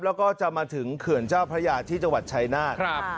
แล้วก็จะมาถึงเขื่อนเจ้าพระยาที่จังหวัดชายนาฏ